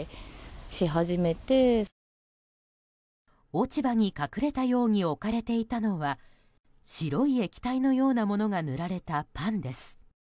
落ち葉に隠れたように置かれていたのは白い液体のようなものが塗られたパンです。